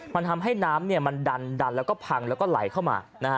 มันทำให้น้ำมันดันแล้วก็พังแล้วก็ไหลเข้ามา